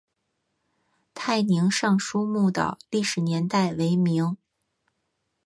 泰宁尚书墓的历史年代为明。